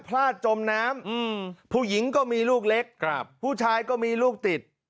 จมน้ำผู้หญิงก็มีลูกเล็กผู้ชายก็มีลูกติด